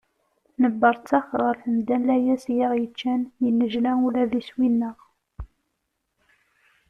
Nebberttex ɣer temda n layas i aɣ-yeččan, yennejla ula d iswi-nneɣ.